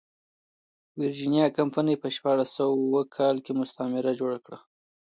ویرجینیا کمپنۍ په شپاړس سوه اووه کال کې مستعمره جوړه کړه.